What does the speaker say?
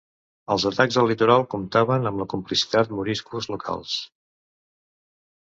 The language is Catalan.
Els atacs al litoral comptaven amb la complicitat moriscos locals.